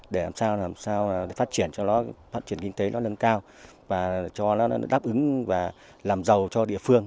để làm sao làm sao phát triển cho nó phát triển kinh tế nó nâng cao và cho nó đáp ứng và làm giàu cho địa phương